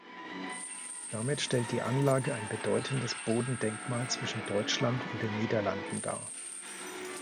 Damit stellt die Anlage ein bedeutendes Bodendenkmal zwischen Deutschland und den Niederlanden dar.